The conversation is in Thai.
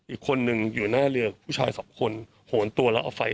อีกคนนึงอยู่หน้าเรือผู้ชายสองคนโหนตัวแล้วเอาไฟ